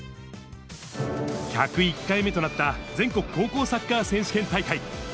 １０１回目となった全国高校サッカー選手権大会。